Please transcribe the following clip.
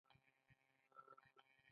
مړه د غمونو په منځ کې یو رڼا وه